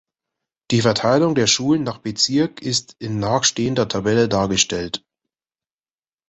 Die Verteilung der Schulen nach Bezirk ist in nachstehender Tabelle dargestellt.